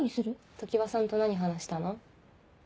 常葉さんと何話したの？